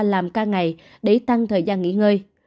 làm ca ngày để tăng thời gian nghỉ ngơi